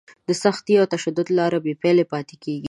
د سختي او تشدد لاره بې پایلې پاتې کېږي.